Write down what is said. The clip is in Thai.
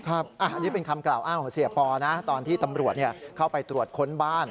อันนี้เป็นคำกล่าวอ้างของเสียปอนะตอนที่ตำรวจเข้าไปตรวจค้นบ้าน